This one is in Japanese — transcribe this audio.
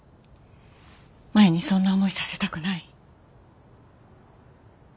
マヤにそんな思いさせたくない。